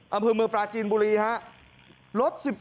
เอาคือมือปลาจีนบุรีครับ